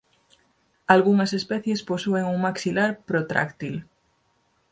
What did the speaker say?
Algunhas especies posúen un maxilar protráctil.